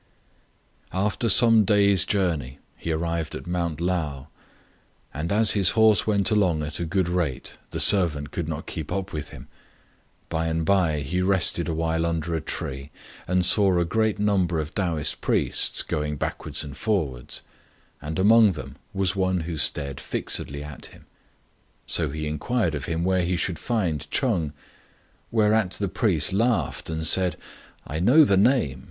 After some days' journey he arrived at Mount Lao ; and, as his horse went along at a good rate, the servant could not keep up with him. By and by he rested awhile under a tree, and saw a great number of Taoist priests going backwards and forwards, and among them was one who stared fixedly at him. So he inquired of him where he should find Ch'eng ; whereat the priest laughed and said, " I know the name.